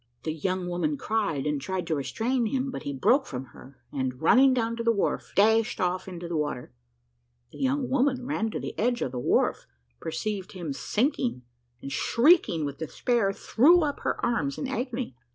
The young woman cried, and tried to restrain him, but he broke from her, and running down to the wharf, dashed off into the water. The young woman ran to the edge of the wharf, perceived him sinking, and shrieking with despair, threw up her arms in her agony.